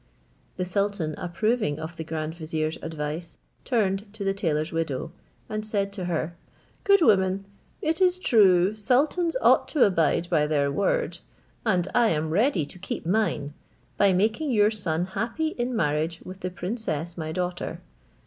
The sultan, approving of the grand vizier's advice, turned to the tailor's widow, and said to her, "Good woman, it is true sultans ought to abide by their word, and I am ready to keep mine, by making your son happy in marriage with the princess my daughter.